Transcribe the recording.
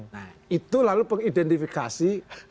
nah itu lalu pengidentifikasi